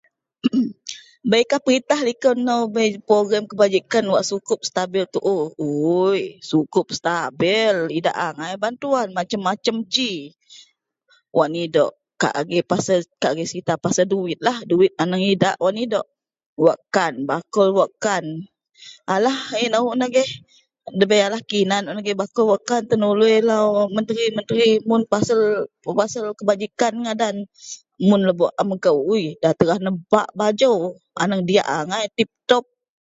Beikah perintah likou mou bek wak program kebajikan wak cukup stabil uu cukup stabil idak angai bantuan macam macam ji wak nidok ka agei serita pasal diutlah aneng idak wak nidok wak kan bakul wakan alah debai kena kinan agei nidok lo menteri mun lebok megu ida lalu baju jua a gak a megu sampai da terbak ja.